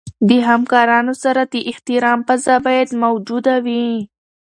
د همکارانو سره د احترام فضا باید موجوده وي.